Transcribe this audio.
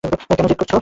কেন জেদ করছো?